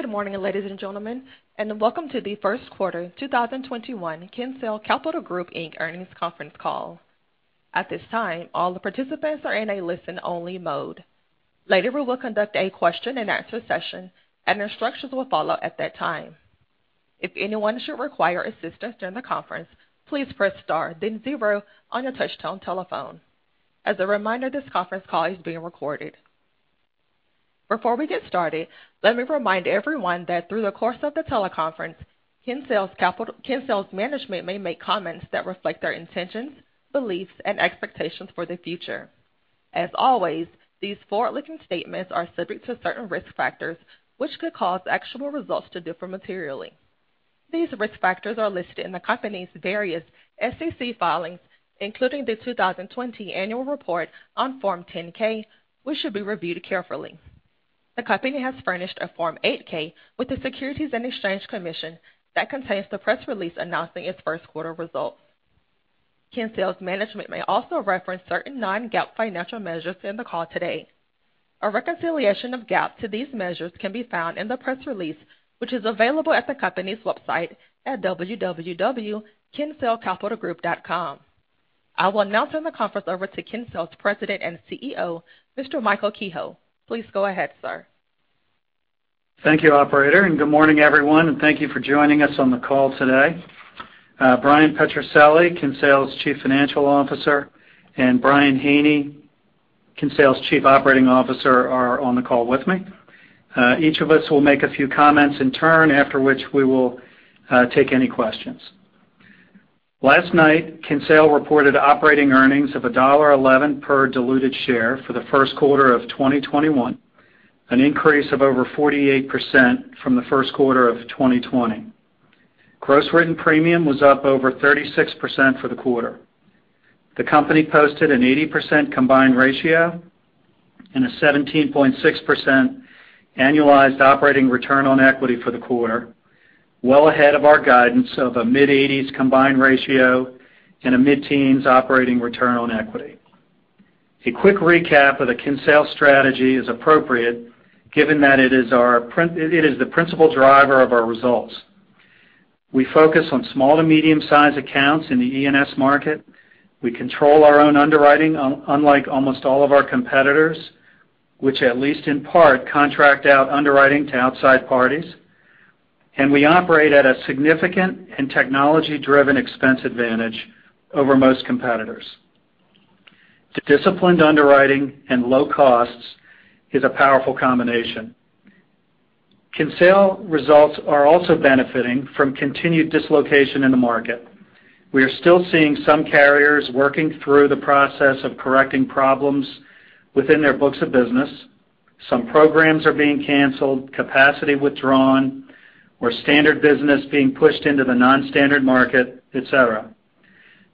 Good morning, ladies and gentlemen, and welcome to The First Quarter 2021 Kinsale Capital Group Earnings Conference Call. At this time, all the participants are in a listen-only mode. Later, we will conduct a question-and-answer session, and instructions will follow at that time. If anyone should require assistance during the conference, please press *, then zero on your touch-tone telephone. As a reminder, this conference call is being recorded. Before we get started, let me remind everyone that through the course of the teleconference, Kinsale's management may make comments that reflect their intentions, beliefs, and expectations for the future. As always, these forward-looking statements are subject to certain risk factors, which could cause actual results to differ materially. These risk factors are listed in the company's various SEC filings, including the 2020 annual report on Form 10-K, which should be reviewed carefully. The company has furnished a Form 8-K with the Securities and Exchange Commission that contains the press release announcing its first quarter results. Kinsale's management may also reference certain non-GAAP financial measures during the call today. A reconciliation of GAAP to these measures can be found in the press release, which is available at the company's website at www.kinsalecapitalgroup.com. I will now turn the conference over to Kinsale's President and CEO, Mr. Michael Kehoe. Please go ahead, sir. Thank you, Operator, and good morning, everyone, and thank you for joining us on the call today. Bryan Petrucelli, Kinsale's Chief Financial Officer, and Brian Haney, Kinsale's Chief Operating Officer, are on the call with me. Each of us will make a few comments in turn, after which we will take any questions. Last night, Kinsale reported operating earnings of $1.11 per diluted share for the first quarter of 2021, an increase of over 48% from the first quarter of 2020. Gross written premium was up over 36% for the quarter. The company posted an 80% combined ratio and a 17.6% annualized operating return on equity for the quarter, well ahead of our guidance of a mid-80s combined ratio and a mid-teens operating return on equity. A quick recap of the Kinsale strategy is appropriate, given that it is the principal driver of our results. We focus on small to medium-sized accounts in the E&S market. We control our own underwriting, unlike almost all of our competitors, which at least in part contract out underwriting to outside parties. We operate at a significant and technology-driven expense advantage over most competitors. Disciplined underwriting and low costs is a powerful combination. Kinsale results are also benefiting from continued dislocation in the market. We are still seeing some carriers working through the process of correcting problems within their books of business. Some programs are being canceled, capacity withdrawn, or standard business being pushed into the non-standard market, etc.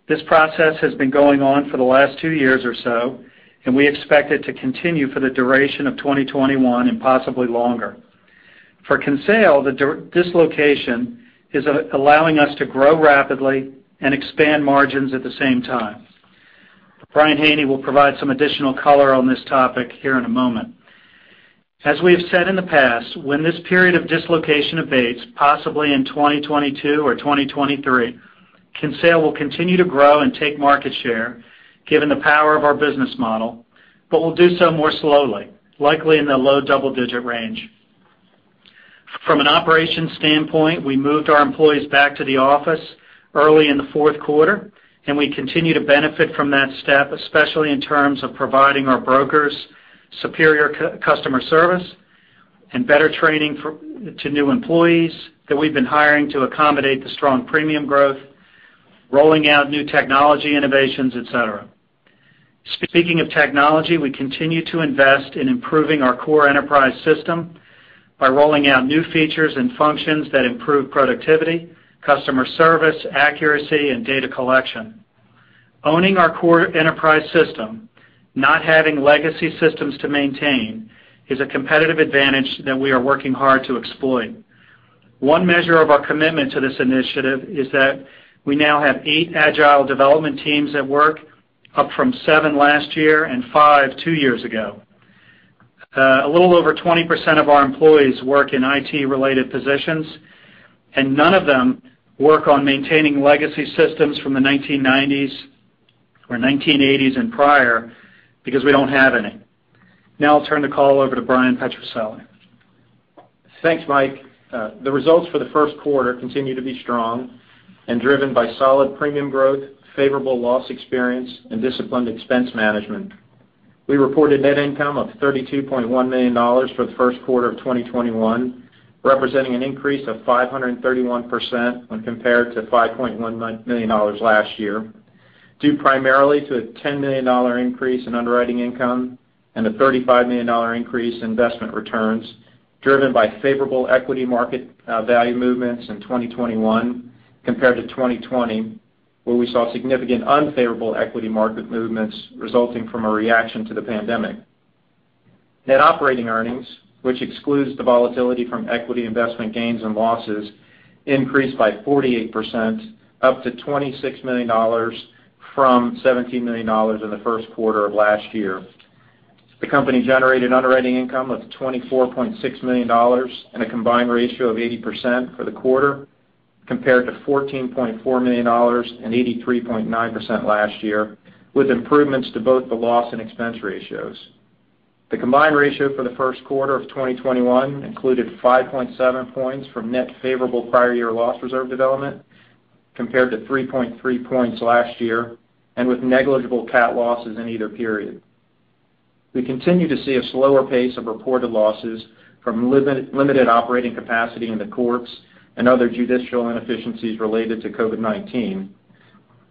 This process has been going on for the last two years or so, and we expect it to continue for the duration of 2021 and possibly longer. For Kinsale, the dislocation is allowing us to grow rapidly and expand margins at the same time. Brian Haney will provide some additional color on this topic here in a moment. As we have said in the past, when this period of dislocation abates, possibly in 2022 or 2023, Kinsale will continue to grow and take market share, given the power of our business model, but will do so more slowly, likely in the low double-digit range. From an operations standpoint, we moved our employees back to the office early in the fourth quarter, and we continue to benefit from that step, especially in terms of providing our brokers superior customer service and better training to new employees that we've been hiring to accommodate the strong premium growth, rolling out new technology innovations, etc. Speaking of technology, we continue to invest in improving our core enterprise system by rolling out new features and functions that improve productivity, customer service, accuracy, and data collection. Owning our core enterprise system, not having legacy systems to maintain, is a competitive advantage that we are working hard to exploit. One measure of our commitment to this initiative is that we now have eight agile development teams at work, up from seven last year and five two years ago. A little over 20% of our employees work in IT-related positions, and none of them work on maintaining legacy systems from the 1990s or 1980s and prior because we do not have any. Now I'll turn the call over to Bryan Petrucelli. Thanks, Mike. The results for the first quarter continue to be strong and driven by solid premium growth, favorable loss experience, and disciplined expense management. We reported net income of $32.1 million for the first quarter of 2021, representing an increase of 531% when compared to $5.1 million last year, due primarily to a $10 million increase in underwriting income and a $35 million increase in investment returns driven by favorable equity market value movements in 2021 compared to 2020, where we saw significant unfavorable equity market movements resulting from a reaction to the pandemic. Net operating earnings, which excludes the volatility from equity investment gains and losses, increased by 48%, up to $26 million from $17 million in the first quarter of last year. The company generated underwriting income of $24.6 million and a combined ratio of 80% for the quarter compared to $14.4 million and 83.9% last year, with improvements to both the loss and expense ratios. The combined ratio for the first quarter of 2021 included 5.7 points from net favorable prior year loss reserve development compared to 3.3 points last year, with negligible cap losses in either period. We continue to see a slower pace of reported losses from limited operating capacity in the courts and other judicial inefficiencies related to COVID-19.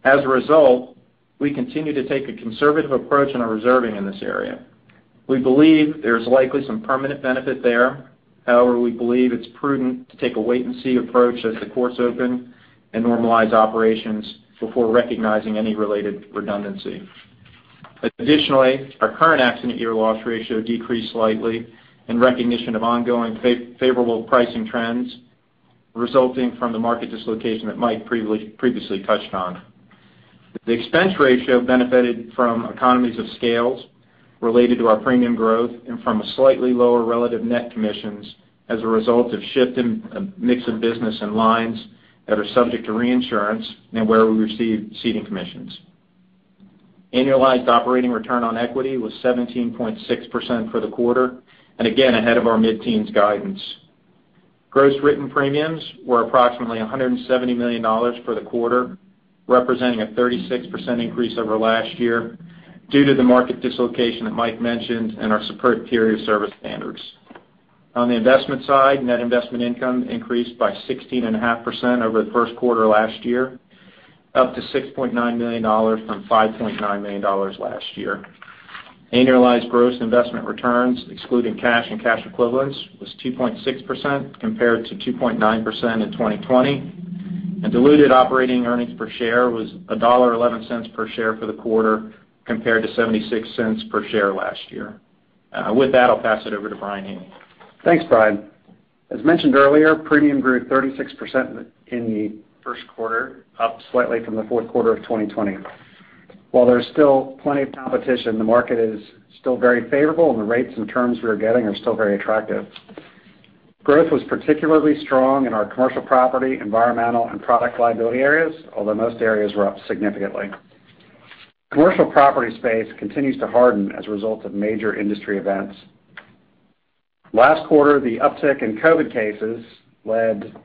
As a result, we continue to take a conservative approach in our reserving in this area. We believe there is likely some permanent benefit there; however, we believe it's prudent to take a wait-and-see approach as the courts open and normalize operations before recognizing any related redundancy. Additionally, our current accident year loss ratio decreased slightly in recognition of ongoing favorable pricing trends resulting from the market dislocation that Mike previously touched on. The expense ratio benefited from economies of scale related to our premium growth and from a slightly lower relative net commissions as a result of shifting mix of business and lines that are subject to reinsurance and where we receive ceding commissions. Annualized operating return on equity was 17.6% for the quarter, and again, ahead of our mid-teens guidance. Gross written premiums were approximately $170 million for the quarter, representing a 36% increase over last year due to the market dislocation that Mike mentioned and our superior service standards. On the investment side, net investment income increased by 16.5% over the first quarter of last year, up to $6.9 million from $5.9 million last year. Annualized gross investment returns, excluding cash and cash equivalents, was 2.6% compared to 2.9% in 2020, and diluted operating earnings per share was $1.11 per share for the quarter compared to $0.76 per share last year. With that, I'll pass it over to Brian Haney. Thanks, Brian. As mentioned earlier, premium grew 36% in the first quarter, up slightly from the fourth quarter of 2020. While there's still plenty of competition, the market is still very favorable, and the rates and terms we are getting are still very attractive. Growth was particularly strong in our commercial property, environmental, and product liability areas, although most areas were up significantly. Commercial property space continues to harden as a result of major industry events. Last quarter, the uptick in COVID cases led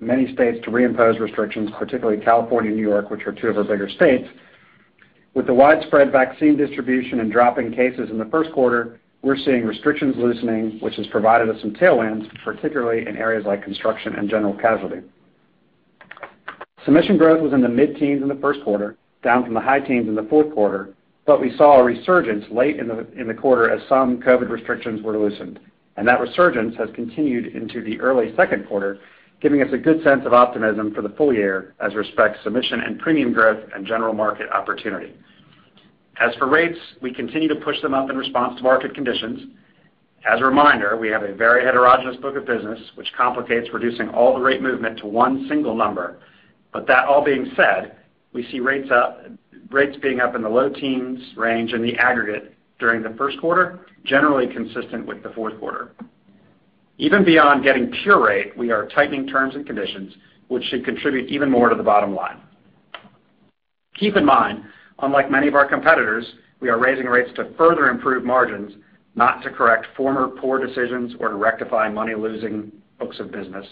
many states to reimpose restrictions, particularly California and New York, which are two of our bigger states. With the widespread vaccine distribution and drop in cases in the first quarter, we're seeing restrictions loosening, which has provided us some tailwinds, particularly in areas like construction and general casualty. Submission growth was in the mid-teens in the first quarter, down from the high teens in the fourth quarter. We saw a resurgence late in the quarter as some COVID restrictions were loosened. That resurgence has continued into the early second quarter, giving us a good sense of optimism for the full year as respects submission and premium growth and general market opportunity. As for rates, we continue to push them up in response to market conditions. As a reminder, we have a very heterogeneous book of business, which complicates reducing all the rate movement to one single number. That all being said, we see rates being up in the low teens range in the aggregate during the first quarter, generally consistent with the fourth quarter. Even beyond getting pure rate, we are tightening terms and conditions, which should contribute even more to the bottom line. Keep in mind, unlike many of our competitors, we are raising rates to further improve margins, not to correct former poor decisions or to rectify money-losing books of business.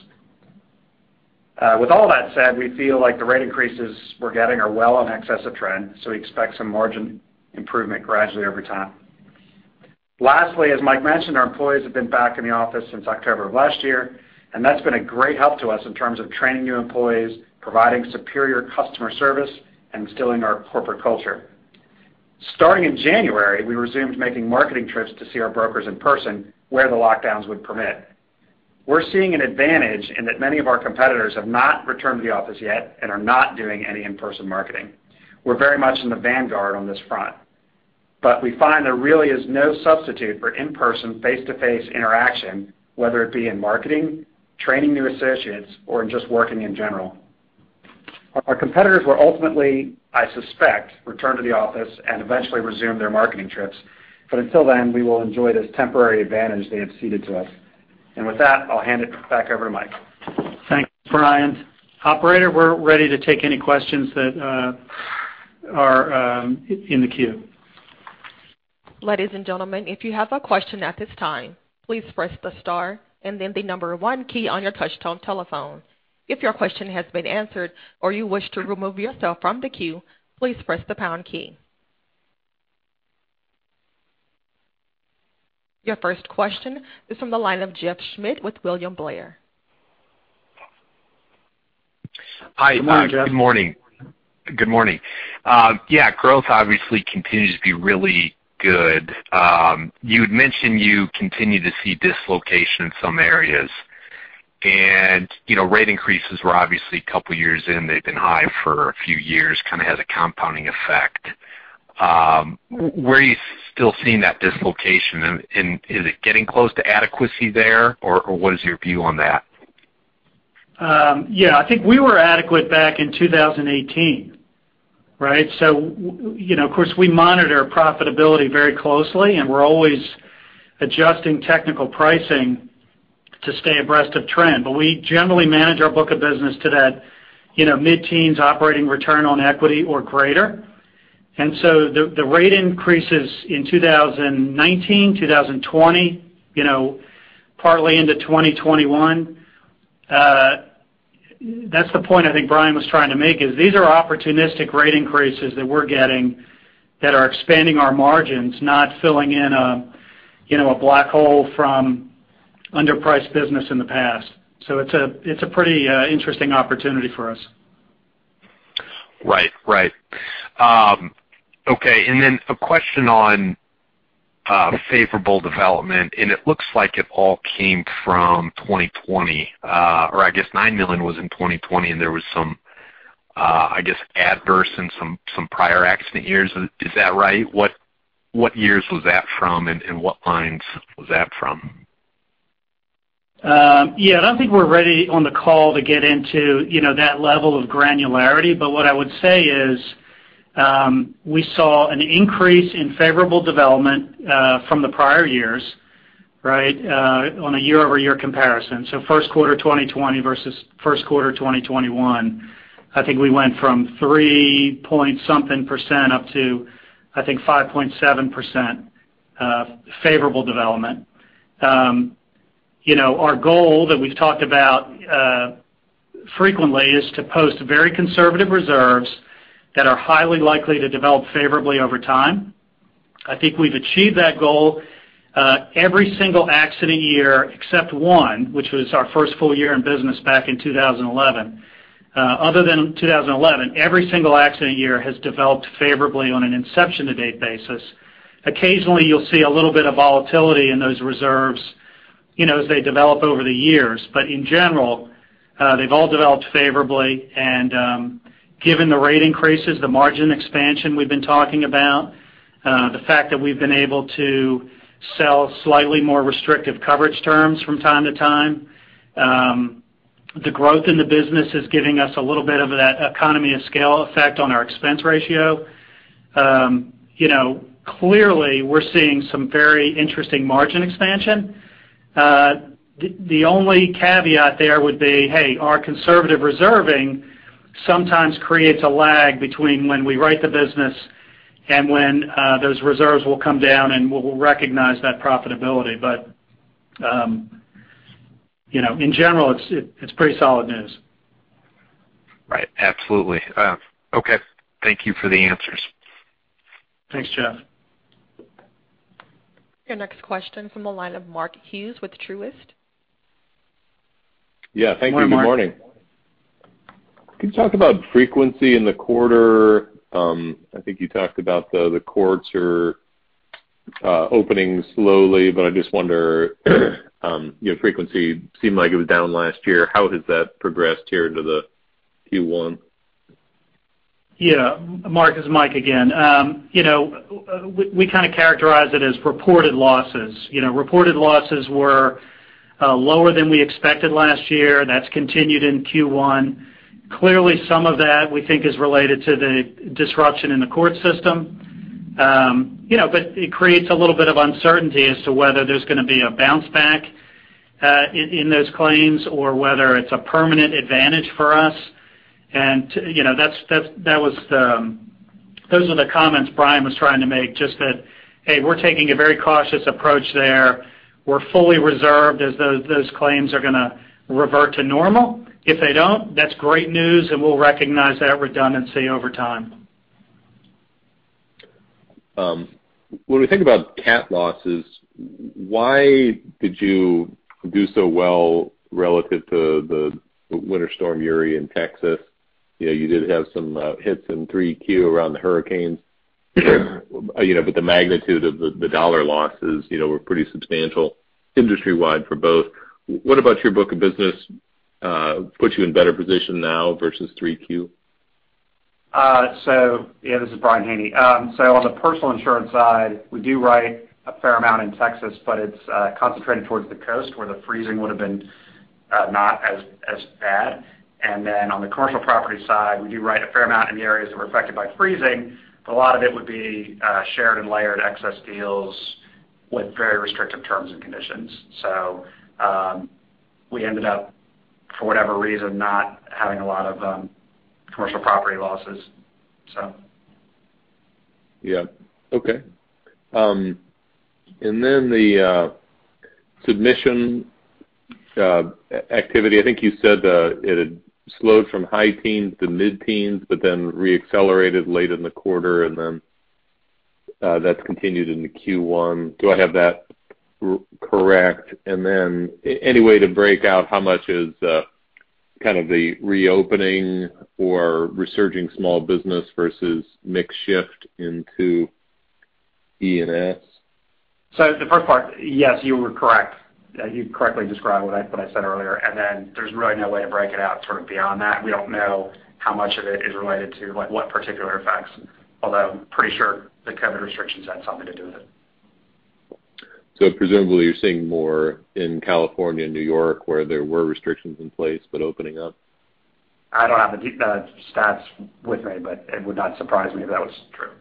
With all that said, we feel like the rate increases we're getting are well in excess of trend, so we expect some margin improvement gradually over time. Lastly, as Mike mentioned, our employees have been back in the office since October of last year, and that's been a great help to us in terms of training new employees, providing superior customer service, and instilling our corporate culture. Starting in January, we resumed making marketing trips to see our brokers in person where the lockdowns would permit. We're seeing an advantage in that many of our competitors have not returned to the office yet and are not doing any in-person marketing. We're very much in the vanguard on this front. We find there really is no substitute for in-person face-to-face interaction, whether it be in marketing, training new associates, or in just working in general. Our competitors will ultimately, I suspect, return to the office and eventually resume their marketing trips. Until then, we will enjoy this temporary advantage they have ceded to us. With that, I'll hand it back over to Mike. Thanks, Brian. Operator, we're ready to take any questions that are in the queue. Ladies and gentlemen, if you have a question at this time, please press the star and then the number one key on your touch-tone telephone. If your question has been answered or you wish to remove yourself from the queue, please press the pound key. Your first question is from the line of Jeff Schmidt with William Blair. Hi, Brian. Good morning. Good morning. Yeah, growth obviously continues to be really good. You had mentioned you continue to see dislocation in some areas. Rate increases were obviously a couple of years in. They've been high for a few years, kind of has a compounding effect. Where are you still seeing that dislocation? Is it getting close to adequacy there, or what is your view on that? Yeah, I think we were adequate back in 2018, right? Of course, we monitor profitability very closely, and we're always adjusting technical pricing to stay abreast of trend. We generally manage our book of business to that mid-teens operating return on equity or greater. The rate increases in 2019, 2020, partly into 2021, that's the point I think Brian was trying to make is these are opportunistic rate increases that we're getting that are expanding our margins, not filling in a black hole from underpriced business in the past. It's a pretty interesting opportunity for us. Right, right. Okay. A question on favorable development. It looks like it all came from 2020, or I guess $9 million was in 2020, and there was some, I guess, adverse in some prior accident years. Is that right? What years was that from, and what lines was that from? Yeah, I don't think we're ready on the call to get into that level of granularity, but what I would say is we saw an increase in favorable development from the prior years, right, on a year-over-year comparison. First quarter 2020 versus first quarter 2021, I think we went from 3 point something percent up to, I think, 5.7% favorable development. Our goal that we've talked about frequently is to post very conservative reserves that are highly likely to develop favorably over time. I think we've achieved that goal every single accident year except one, which was our first full year in business back in 2011. Other than 2011, every single accident year has developed favorably on an inception-to-date basis. Occasionally, you'll see a little bit of volatility in those reserves as they develop over the years. In general, they've all developed favorably. Given the rate increases, the margin expansion we've been talking about, the fact that we've been able to sell slightly more restrictive coverage terms from time to time, the growth in the business is giving us a little bit of that economy of scale effect on our expense ratio. Clearly, we're seeing some very interesting margin expansion. The only caveat there would be, hey, our conservative reserving sometimes creates a lag between when we write the business and when those reserves will come down and we'll recognize that profitability. In general, it's pretty solid news. Right. Absolutely. Okay. Thank you for the answers. Thanks, Jeff. Your next question from the line of Mark Hughes with Truist. Yeah. Thank you. Good morning. Can you talk about frequency in the quarter? I think you talked about the courts are opening slowly, but I just wonder, frequency seemed like it was down last year. How has that progressed here into the Q1? Yeah. Mark, it's Mike again. We kind of characterize it as reported losses. Reported losses were lower than we expected last year. That's continued in Q1. Clearly, some of that we think is related to the disruption in the court system. It creates a little bit of uncertainty as to whether there's going to be a bounce back in those claims or whether it's a permanent advantage for us. Those are the comments Brian was trying to make, just that, hey, we're taking a very cautious approach there. We're fully reserved as those claims are going to revert to normal. If they don't, that's great news, and we'll recognize that redundancy over time. When we think about cap losses, why did you do so well relative to the winter storm area in Texas? You did have some hits in 3Q around the hurricanes, but the magnitude of the dollar losses were pretty substantial industry-wide for both. What about your book of business puts you in better position now versus 3Q? Yeah, this is Brian Haney. On the personal insurance side, we do write a fair amount in Texas, but it's concentrated towards the coast where the freezing would have been not as bad. Then on the commercial property side, we do write a fair amount in the areas that were affected by freezing, but a lot of it would be shared and layered excess deals with very restrictive terms and conditions. We ended up, for whatever reason, not having a lot of commercial property losses. Yeah. Okay. The submission activity, I think you said it had slowed from high teens to mid-teens, but then reaccelerated late in the quarter, and that's continued in the Q1. Do I have that correct? Any way to break out how much is kind of the reopening or resurging small business versus mix shift into E&S? Yes, you were correct. You correctly described what I said earlier. There is really no way to break it out sort of beyond that. We do not know how much of it is related to what particular effects, although I am pretty sure the COVID restrictions had something to do with it. Presumably you're seeing more in California, New York, where there were restrictions in place, but opening up? I don't have the stats with me, but it would not surprise me if that was true.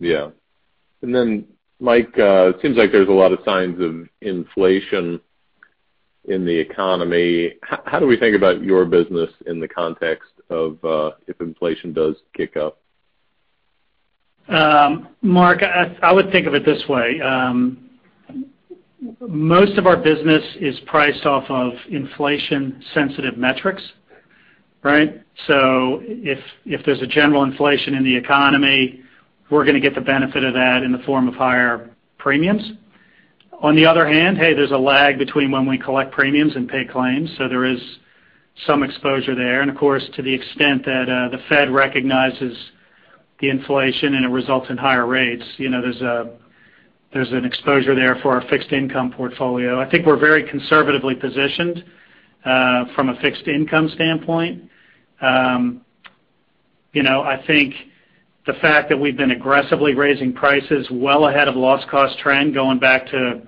Yeah. Mike, it seems like there's a lot of signs of inflation in the economy. How do we think about your business in the context of if inflation does kick up? Mark, I would think of it this way. Most of our business is priced off of inflation-sensitive metrics, right? If there is a general inflation in the economy, we are going to get the benefit of that in the form of higher premiums. On the other hand, hey, there is a lag between when we collect premiums and pay claims, so there is some exposure there. Of course, to the extent that the Fed recognizes the inflation and it results in higher rates, there is an exposure there for our fixed-income portfolio. I think we are very conservatively positioned from a fixed-income standpoint. I think the fact that we have been aggressively raising prices well ahead of the loss-cost trend going back to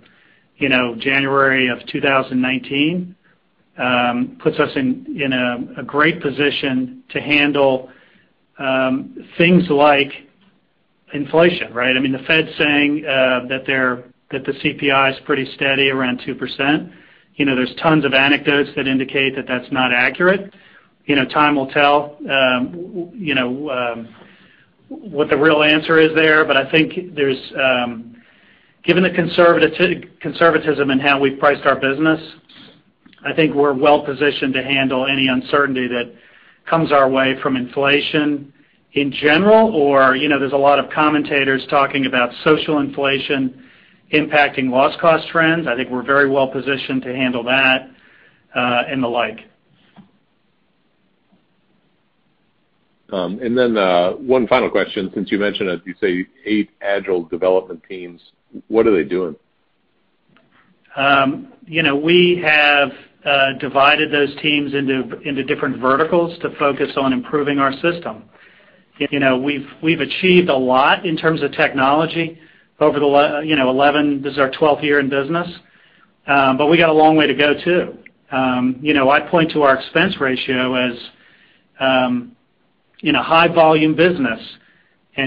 January of 2019 puts us in a great position to handle things like inflation, right? I mean, the Fed saying that the CPI is pretty steady around 2%, there's tons of anecdotes that indicate that that's not accurate. Time will tell what the real answer is there. I think given the conservatism and how we've priced our business, I think we're well-positioned to handle any uncertainty that comes our way from inflation in general, or there's a lot of commentators talking about social inflation impacting loss-cost trends. I think we're very well-positioned to handle that and the like. One final question. Since you mentioned, as you say, eight agile development teams, what are they doing? We have divided those teams into different verticals to focus on improving our system. We've achieved a lot in terms of technology over the 11—this is our 12th year in business—but we got a long way to go too. I point to our expense ratio as in a high-volume business.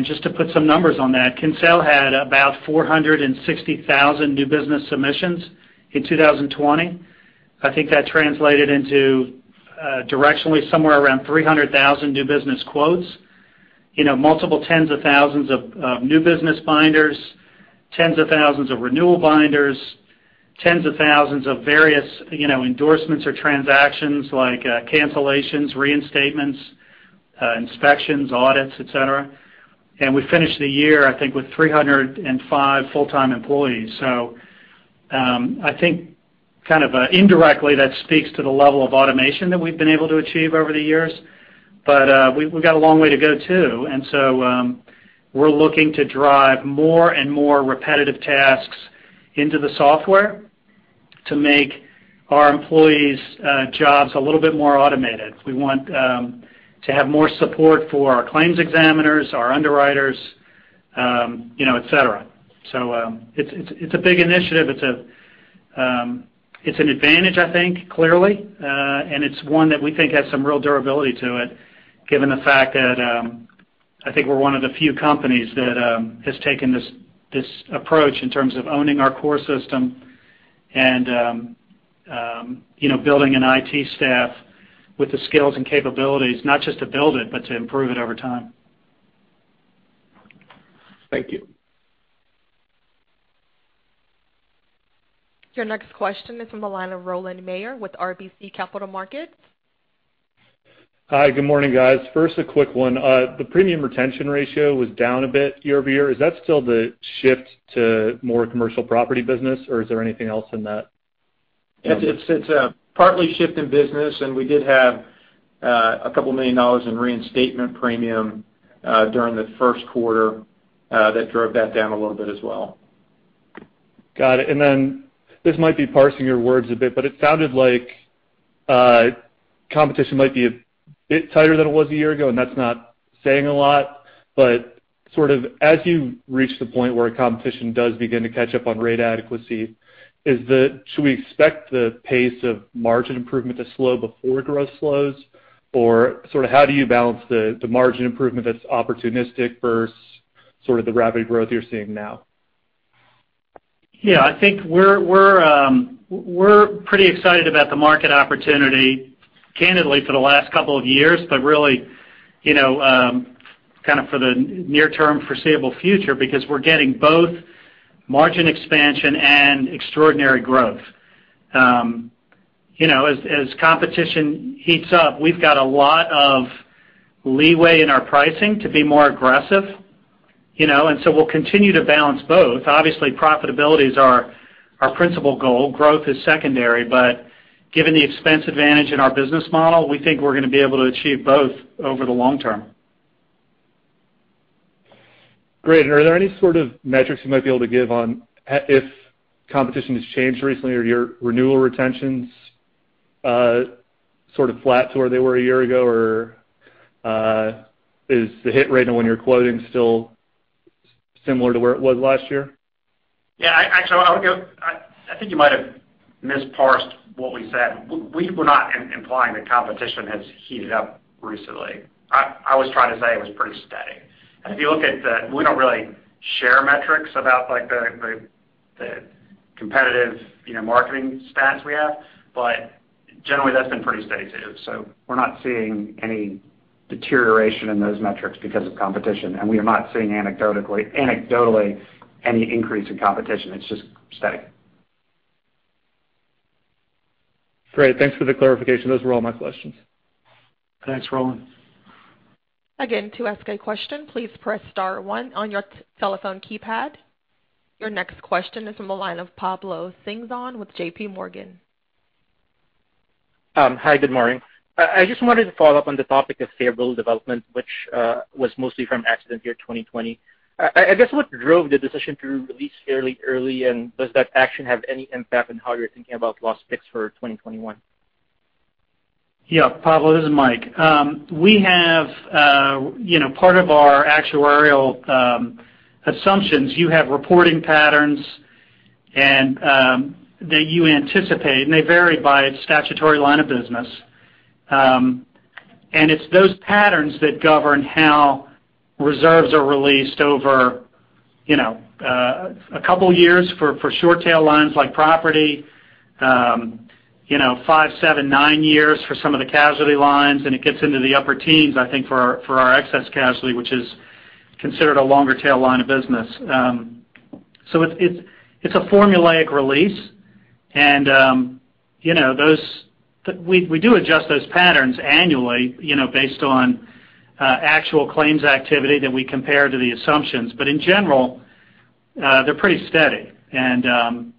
Just to put some numbers on that, Kinsale had about 460,000 new business submissions in 2020. I think that translated into directionally somewhere around 300,000 new business quotes, multiple tens of thousands of new business binders, tens of thousands of renewal binders, tens of thousands of various endorsements or transactions like cancellations, reinstatements, inspections, audits, etc. We finished the year, I think, with 305 full-time employees. I think kind of indirectly that speaks to the level of automation that we've been able to achieve over the years. We got a long way to go too. We are looking to drive more and more repetitive tasks into the software to make our employees' jobs a little bit more automated. We want to have more support for our claims examiners, our underwriters, etc. It is a big initiative. It is an advantage, I think, clearly. It is one that we think has some real durability to it, given the fact that I think we are one of the few companies that has taken this approach in terms of owning our core system and building an IT staff with the skills and capabilities, not just to build it, but to improve it over time. Thank you. Your next question is from the line of Roland Mayor with RBC Capital Markets. Hi, good morning, guys. First, a quick one. The premium retention ratio was down a bit year over year. Is that still the shift to more commercial property business, or is there anything else in that? It's a partly shift in business, and we did have a couple of million dollars in reinstatement premium during the first quarter that drove that down a little bit as well. Got it. This might be parsing your words a bit, but it sounded like competition might be a bit tighter than it was a year ago, and that's not saying a lot. Sort of as you reach the point where competition does begin to catch up on rate adequacy, should we expect the pace of margin improvement to slow before growth slows? Or sort of how do you balance the margin improvement that's opportunistic versus sort of the rapid growth you're seeing now? Yeah. I think we're pretty excited about the market opportunity, candidly, for the last couple of years, but really kind of for the near-term foreseeable future because we're getting both margin expansion and extraordinary growth. As competition heats up, we've got a lot of leeway in our pricing to be more aggressive. We'll continue to balance both. Obviously, profitability is our principal goal. Growth is secondary. Given the expense advantage in our business model, we think we're going to be able to achieve both over the long term. Great. Are there any sort of metrics you might be able to give on if competition has changed recently or your renewal retention is sort of flat to where they were a year ago? Is the hit rate on when you're quoting still similar to where it was last year? Yeah. Actually, I think you might have misparsed what we said. We're not implying that competition has heated up recently. I was trying to say it was pretty steady. If you look at the—we don't really share metrics about the competitive marketing stats we have, but generally, that's been pretty steady too. We're not seeing any deterioration in those metrics because of competition. We are not seeing anecdotally any increase in competition. It's just steady. Great. Thanks for the clarification. Those were all my questions. Thanks, Roland. Again, to ask a question, please press star one on your telephone keypad. Your next question is from the line of Pablo Singzon with JP Morgan. Hi, good morning. I just wanted to follow up on the topic of fair bill development, which was mostly from accident year 2020. I guess what drove the decision to release fairly early, and does that action have any impact on how you're thinking about lost picks for 2021? Yeah. Pablo, this is Mike. We have part of our actuarial assumptions. You have reporting patterns that you anticipate, and they vary by its statutory line of business. It's those patterns that govern how reserves are released over a couple of years for short-tail lines like property, five, seven, nine years for some of the casualty lines, and it gets into the upper teens, I think, for our excess casualty, which is considered a longer-tail line of business. It's a formulaic release. We do adjust those patterns annually based on actual claims activity that we compare to the assumptions. In general, they're pretty steady. I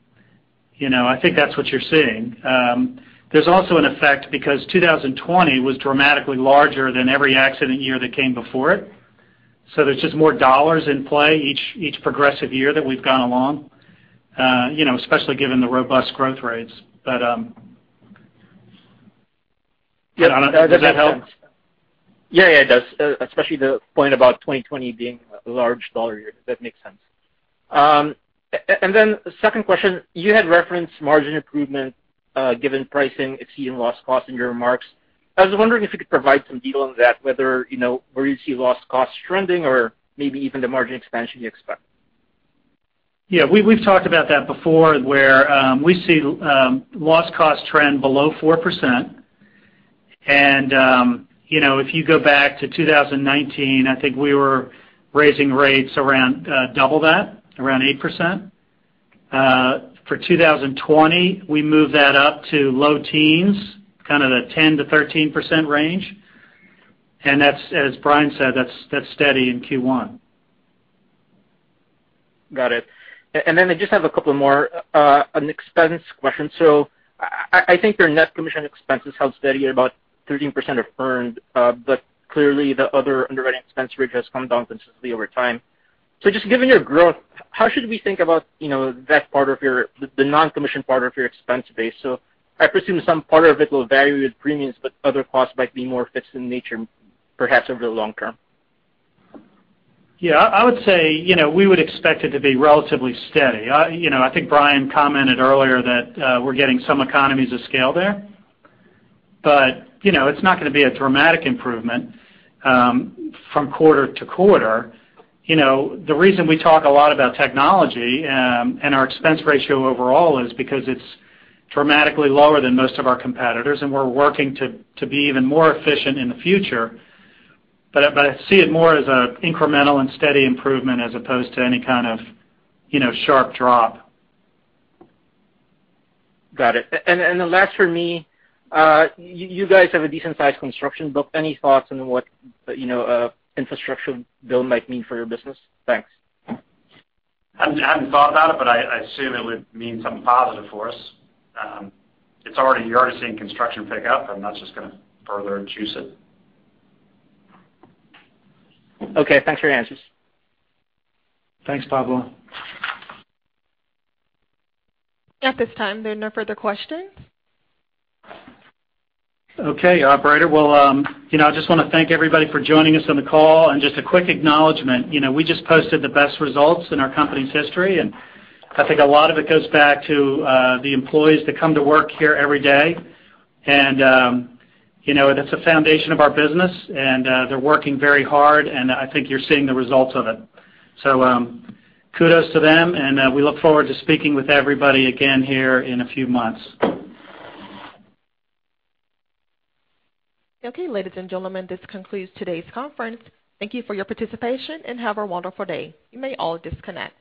think that's what you're seeing. There's also an effect because 2020 was dramatically larger than every accident year that came before it. There is just more dollars in play each progressive year that we have gone along, especially given the robust growth rates. Does that help? Yeah, yeah, it does. Especially the point about 2020 being a large dollar year. That makes sense. Second question, you had referenced margin improvement given pricing exceeding loss costs in your remarks. I was wondering if you could provide some detail on that, whether where you see loss costs trending or maybe even the margin expansion you expect. Yeah. We've talked about that before where we see loss cost trend below 4%. If you go back to 2019, I think we were raising rates around double that, around 8%. For 2020, we moved that up to low teens, kind of the 10%-13% range. As Brian said, that's steady in Q1. Got it. I just have a couple more, an expense question. I think your net commission expenses held steady at about 13% of earned, but clearly the other underwriting expense rate has come down consistently over time. Just given your growth, how should we think about that part of the non-commission part of your expense base? I presume some part of it will vary with premiums, but other costs might be more fixed in nature, perhaps over the long term. Yeah. I would say we would expect it to be relatively steady. I think Brian commented earlier that we're getting some economies of scale there, but it's not going to be a dramatic improvement from quarter to quarter. The reason we talk a lot about technology and our expense ratio overall is because it's dramatically lower than most of our competitors, and we're working to be even more efficient in the future. I see it more as an incremental and steady improvement as opposed to any kind of sharp drop. Got it. The last for me, you guys have a decent-sized construction. Any thoughts on what an infrastructure bill might mean for your business? Thanks. I haven't thought about it, but I assume it would mean something positive for us. You're already seeing construction pick up, and that's just going to further juice it. Okay. Thanks for your answers. Thanks, Pablo. At this time, there are no further questions. Okay. Operator, I just want to thank everybody for joining us on the call. Just a quick acknowledgment, we just posted the best results in our company's history. I think a lot of it goes back to the employees that come to work here every day. That is the foundation of our business, and they are working very hard. I think you are seeing the results of it. Kudos to them, and we look forward to speaking with everybody again here in a few months. Okay. Ladies and gentlemen, this concludes today's conference. Thank you for your participation and have a wonderful day. You may all disconnect.